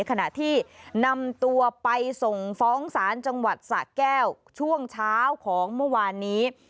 ขณะที่นำตัวไปส่งฟ้องศาลจังหวัดสะแก้วช่วงเช้าของเมื่อวานนี้